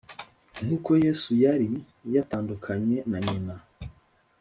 Nk’uko Yesu yari yatandukanye na nyina